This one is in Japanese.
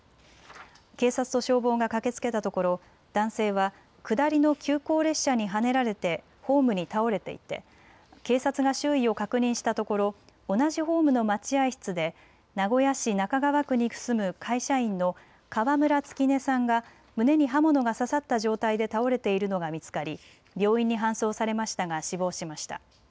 警察と消防が駆けつけたところ男性は下りの急行列車にはねられてホームに倒れていて警察が周囲を確認したところ同じホームの待合室で名古屋市中川区に住む会社員の川村月音さんが胸に刃物が刺さった状態で倒れているのが見つかり病院に搬送されましたが死亡しました。